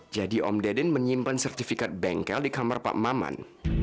jadi om deden menyimpan sertifikat bengkel di kamar pak maman